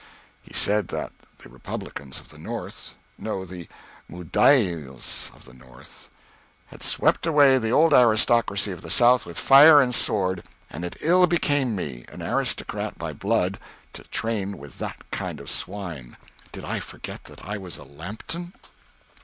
He said that the Republicans of the North no, the "mudsills of the North" had swept away the old aristocracy of the South with fire and sword, and it ill became me, an aristocrat by blood, to train with that kind of swine. Did I forget that I was a Lambton?